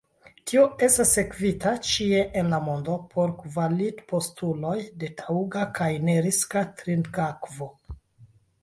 Tio estas sekvita ĉie en la mondo por kvalitpostuloj de taŭga kaj neriska trinkakvo.